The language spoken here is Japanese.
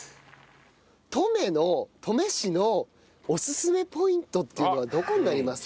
登米の登米市のおすすめポイントっていうのはどこになりますか？